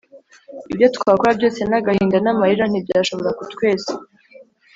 Ibyo twakora byose n’agahinda n’amarira ntibyashobora kutweza